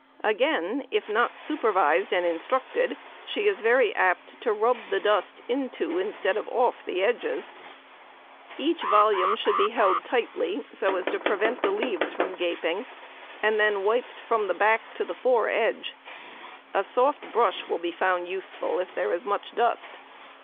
Again, if not supervised and instructed, she is very apt to rub the dust into, instead of off, the edges. Each volume should be held tightly, so as to prevent the leaves from gaping, and then wiped from the back to the fore edge. A soft brush will be found useful if there is much dust.